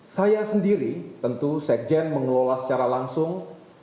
saya sendiri tentu sekjen mengelola secara langsung